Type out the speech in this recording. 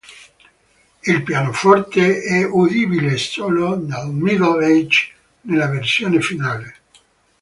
Il pianoforte è udibile solo nel middle eight nella versione finale.